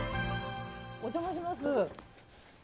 お邪魔します。